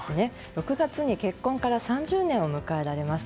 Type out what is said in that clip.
６月に結婚から３０年を迎えられます。